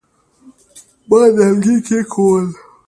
ما نيالګي کېښوول.